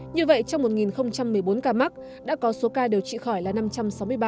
như vậy trong một một mươi bốn ca mắc đã có số ca điều trị khỏi là năm trăm sáu mươi ba ca